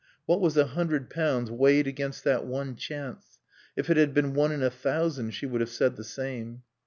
What was a hundred pounds weighed against that one chance? If it had been one in a thousand she would have said the same.